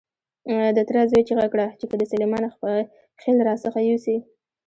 د تره زوی چیغه کړه چې که دې سلیمان خېل را څخه يوسي.